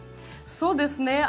そうですね。